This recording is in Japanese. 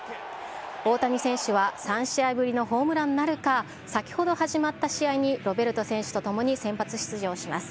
大谷選手は３試合ぶりのホームランなるか、先ほど始まった試合に、ロベルト選手と共に先発出場します。